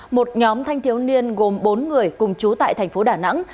một nhóm thanh thiếu niên gồm bốn người cùng chú tại thành phố đà nẵng